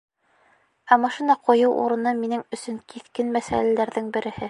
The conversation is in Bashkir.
Ә машина ҡуйыу урыны — минең өсөн киҫкен мәсьәләләрҙең береһе.